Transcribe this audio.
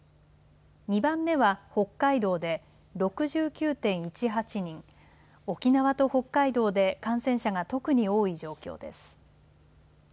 ２番目は北海道で６９．１８人、沖縄と北海道で感染者が特に多い状況です。